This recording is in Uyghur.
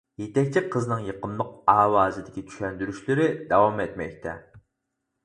يېتەكچى قىزنىڭ يېقىملىق ئاۋازدىكى چۈشەندۈرۈشلىرى داۋام ئەتمەكتە.